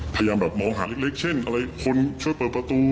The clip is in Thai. พยายามแบบมองหาเล็กเช่นอะไรคนช่วยเปิดประตู